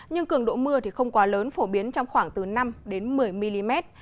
nhưng cường độ mưa không quá lớn phổ biến trong khoảng từ năm đến một mươi mm